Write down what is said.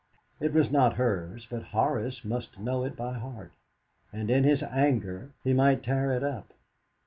It was not hers, but Horace must know it by heart, and in his anger he might tear it up.